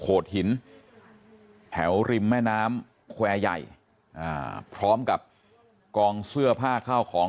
หินแถวริมแม่น้ำแควร์ใหญ่พร้อมกับกองเสื้อผ้าข้าวของ